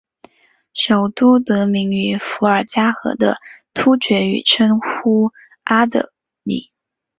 首都得名于伏尔加河的突厥语称呼阿的里。